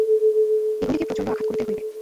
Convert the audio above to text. এগুলিকে প্রচণ্ড আঘাত করিতে হইবে।